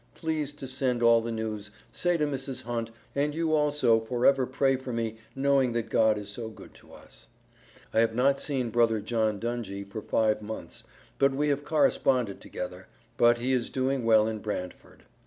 plese to send me all the news say to Mrs. Hunt an you also forever pray for me knowing that God is so good to us. i have not seen brother John Dungy for 5 months, but we have corresponded together but he is doing well in Brandford.